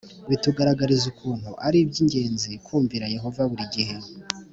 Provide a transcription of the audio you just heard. Bitugaragariza ukuntu ari iby ingenzi kumvira Yehova buri gihe